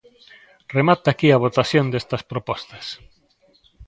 Remata aquí a votación destas propostas.